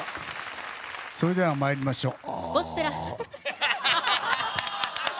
それでは参りましょう。